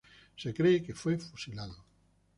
Se cree que fue fusilado.